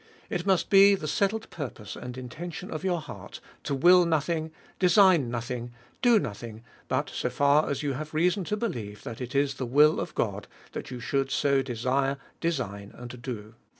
It must be the settled purpose and intention of your heart, to will nothing, design nothing, do nothing, but so far as you have reason to believe thai it is the will of God that you should so de sire, design, and do.